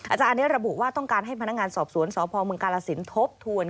อาจารย์อันนี้ระบุว่าต้องการให้พนักงานสอบสวนสพเมืองกาลสินทบทวน